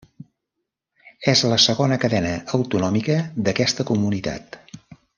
És la segona cadena autonòmica d'aquesta comunitat.